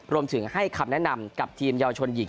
รวมถึงให้คำแนะนำกับทีมเยาวชนหญิง